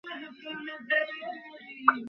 তাহার চোখে জল দেখিবার আগে আমাকে শেষ করিয়া ফেল।